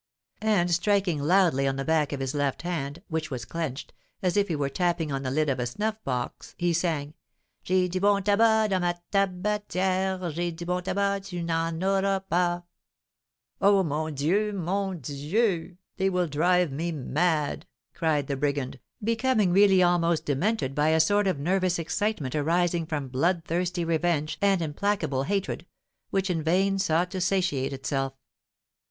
And striking loudly on the back of his left hand, which was clenched, as if he were tapping on the lid of a snuff box, he sang: "J'ai du bon tabac dans ma tabatière; J'ai du bon tabac, tu n'en auras pas." "Oh, mon Dieu! mon Dieu! they will drive me mad!" cried the brigand, becoming really almost demented by a sort of nervous excitement arising from bloodthirsty revenge and implacable hatred, which in vain sought to satiate itself.